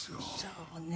そうね。